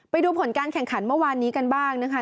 ไปดูผลการแข่งขันเมื่อวานนี้กันบ้างนะคะ